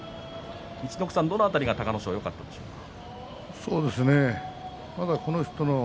陸奥さん、どの辺りが隆の勝はよかったでしょうか。